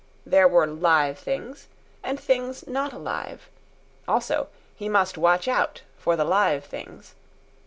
There were live things and things not alive. Also, he must watch out for the live things.